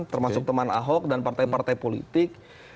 termasuk teman ahok dan partai partai politik